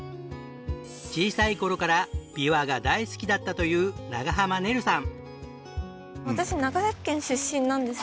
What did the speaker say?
小さい頃からビワが大好きだったという長濱ねるさん。